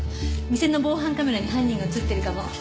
店の防犯カメラに犯人が映っているかも。